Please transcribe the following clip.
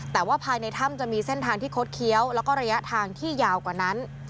แต่ว่าภายในถ้ำจะมีเส้นทางที่คดเคี้ยวแล้วก็ระยะทางที่ยาวกว่านั้น